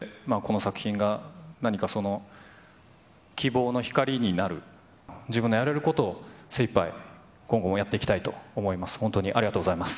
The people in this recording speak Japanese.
この作品が何かその希望の光になる、自分のやれることを、精いっぱい今後もやっていきたいと思います。